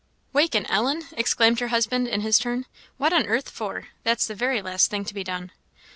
"Waken Ellen!" exclaimed her husband, in his turn; "what on earth for? That's the very last thing to be done."